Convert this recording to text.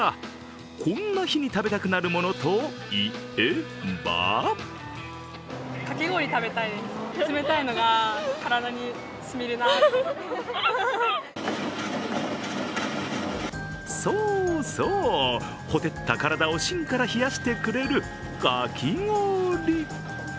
こんな日に食べたくなるものといえばそうそう、ほてった体を芯から冷やしてくれるかき氷。